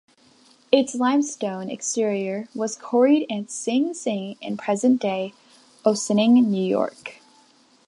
Its limestone exterior was quarried at Sing Sing in present day Ossining, New York.